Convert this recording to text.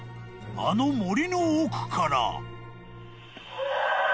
［あの森の奥から］